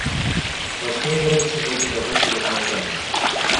Расія, дарэчы, гэта дагэтуль адмаўляе.